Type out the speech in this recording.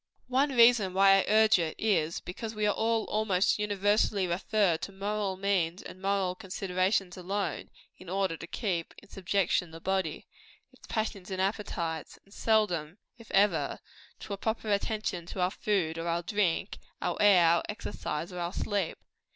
One reason why I urge it is, because we are almost universally referred to moral means and moral considerations alone, in order to keep in subjection the body its passions and appetites and seldom, if ever, to a proper attention to our food or our drink, our air, our exercise, or our sleep.